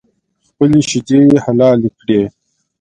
خپلې شیدې یې حلالې کړې